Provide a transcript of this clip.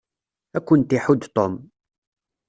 Ad kent-iḥudd Tom.